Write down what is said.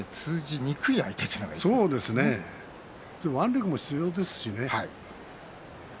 腕力も必要ですしね。